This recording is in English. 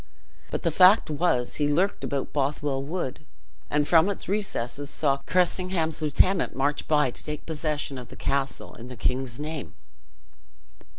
But the fact was, he lurked about in Bothwell wood; and from its recesses saw Cressingham's lieutenant march by to take possession of the castle in the king's name.